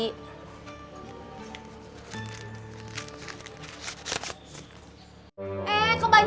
ke belaga sama teman teman udah janji